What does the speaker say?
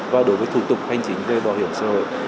và đối với thủ tục hành chính về bảo hiểm xã hội